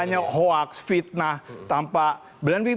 banyak hoax fitnah tampak